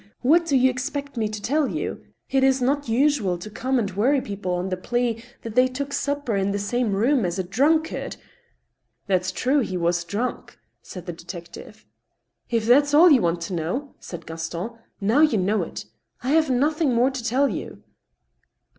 ... What do you expect me to tell you ? It is not usual to come and worry people on the plea that they took supper in the same room as a drunkard —"" That's true ; he was drunk," said the detective. " If that's all you want to know," said Gaston, " now you know it. I have nothing more to tell you."